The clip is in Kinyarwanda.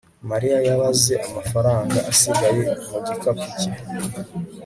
mariya yabaze amafaranga asigaye mu gikapu cye